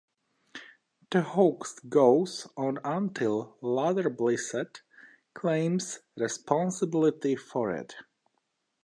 The hoax goes on until "Luther Blissett" claims responsibility for it.